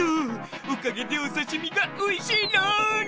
おかげでおさしみがおいしいろん！